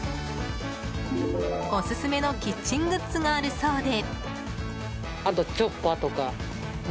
オススメのキッチングッズがあるそうで。